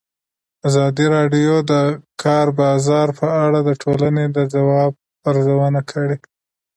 ازادي راډیو د د کار بازار په اړه د ټولنې د ځواب ارزونه کړې.